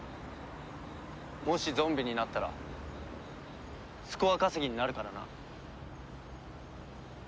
もしゾンビになったらスコア稼ぎになるからな。